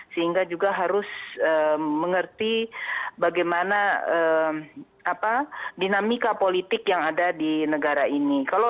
sehingga juga harus mengerti bagaimana dinamika politik yang ada di negara ini